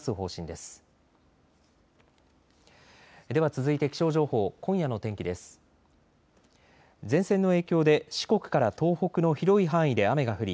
では続いて気象情報今夜の天気です。